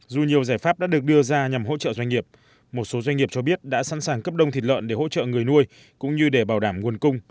dù nhiều giải pháp đã được đưa ra nhằm hỗ trợ doanh nghiệp một số doanh nghiệp cho biết đã sẵn sàng cấp đông thịt lợn để hỗ trợ người nuôi cũng như để bảo đảm nguồn cung